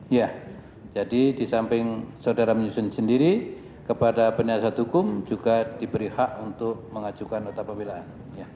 iya jadi di samping saudara menyusun sendiri kepada penasihat hukum juga diberi hak untuk mengajukan nota pembelaan